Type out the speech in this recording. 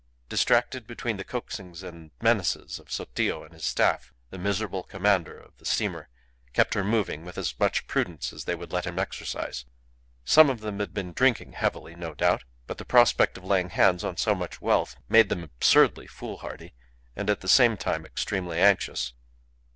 Distracted between the coaxings and menaces of Sotillo and his Staff, the miserable commander of the steamer kept her moving with as much prudence as they would let him exercise. Some of them had been drinking heavily, no doubt; but the prospect of laying hands on so much wealth made them absurdly foolhardy, and, at the same time, extremely anxious.